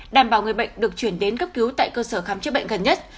đảm bảo người bệnh được chuyển đến cấp cứu tại cơ sở khám chữa bệnh gần nhất